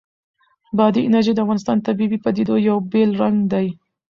بادي انرژي د افغانستان د طبیعي پدیدو یو بېل رنګ دی.